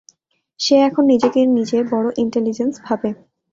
সে এখন নিজেকে নিজে বড় ইন্টেলিজেন্স ভাবে।